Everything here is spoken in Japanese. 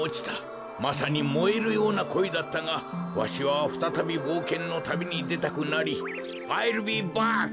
まさにもえるようなこいだったがわしはふたたびぼうけんのたびにでたくなり「アイルビーバック！」